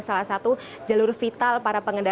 salah satu jalur vital para pengendara